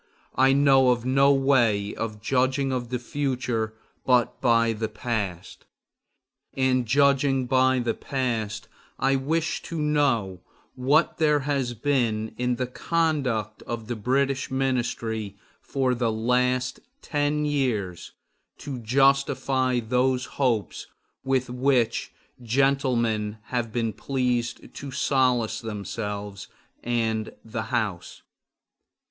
I know of no way of judging of the future but by the past. And, judging by the past, I wish to know what there has been in the conduct of the British ministry for the last ten years to justify those hopes with which gentlemen have been pleased to solace themselves and the House.